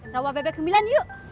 rawa bebek sembilan yuk